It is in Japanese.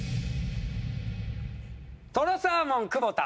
とろサーモン久保田。